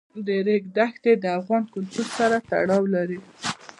د ریګ دښتې د افغان کلتور سره تړاو لري.